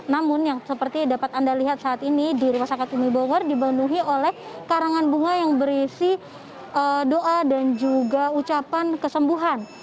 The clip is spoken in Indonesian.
namun yang seperti dapat anda lihat saat ini di rumah sakit umi bogor dipenuhi oleh karangan bunga yang berisi doa dan juga ucapan kesembuhan